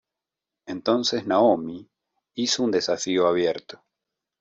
Entonces Naomi hizo un desafío abierto.